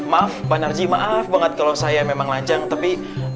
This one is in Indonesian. maaf maaf maaf banget kalau saya memang lajang tapi